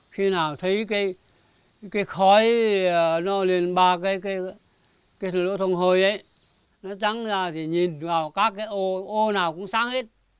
khi nào thấy cái khói nó lên ba cái cái cái lỗ thông hồi ấy nó trắng ra thì nhìn vào các cái ô ô nào cũng sáng hết